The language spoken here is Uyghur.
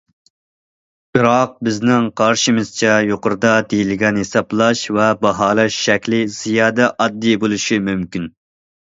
بىراق بىزنىڭ قارىشىمىزچە، يۇقىرىدا دېيىلگەن ھېسابلاش ۋە باھالاش شەكلى زىيادە ئاددىي بولۇشى مۇمكىن.